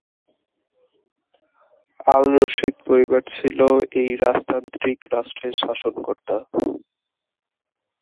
আল Rashid পরিবার ছিল এই রাজতান্ত্রিক রাষ্ট্রের শাসনকর্তা।